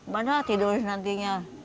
mana tidur nantinya